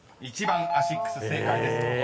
［１番「アシックス」正解です］